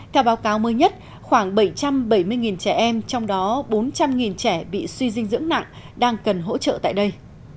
theo báo cáo mới nhất khoảng bảy trăm bảy mươi trẻ em trong đó bốn trăm linh trẻ bị suy dinh dưỡng nặng đang cần hỗ trợ tại đây